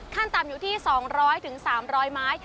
ขั้นตามอยู่ที่๒๐๐๓๐๐บาท